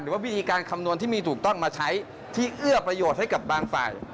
ว่าวิธีการคำนวณที่มีถูกต้องมาใช้ที่เอื้อประโยชน์ให้กับบางฝ่าย